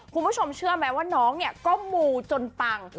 คุณผู้ชมเชื่อไหมว่าน้องเนี่ยก็มูจนปัง